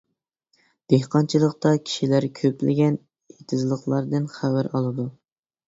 دېھقانچىلىقتا كىشىلەر كۆپلىگەن ئېتىزلىقلاردىن خەۋەر ئالىدۇ.